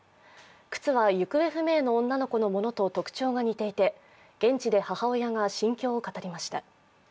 靴は行方不明の女の子のものと特長が似ていて現地で母親が心境を語りました。